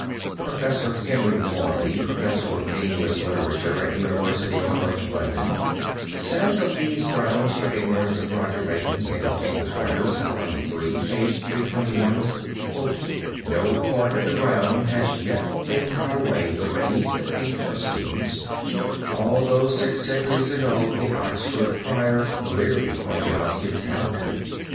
Professor Henry Morley, Professor of English Literature at University College, London, says of these grounds for ignorance of Roger Bacon, in his English Writers, Volume III, page 321: "No part of that ground has yet been cut away from beneath the feet of students, although six centuries ago the Oxford friar clearly pointed out its character.